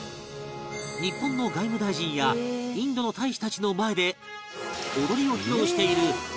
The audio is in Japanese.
日本の外務大臣やインドの大使たちの前で踊りを披露しているこちらのダンサー